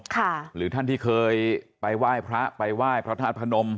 หรือท่านที่เคยไปไหว้พระไปไหว้พระธาตุพนม